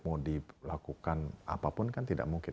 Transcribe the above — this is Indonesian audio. mau dilakukan apapun kan tidak mungkin